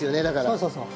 そうそうそう。